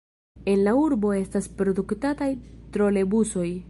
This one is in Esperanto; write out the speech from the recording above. En la urbo estas produktataj trolebusoj.